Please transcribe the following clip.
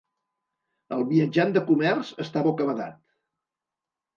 El viatjant de comerç està bocabadat.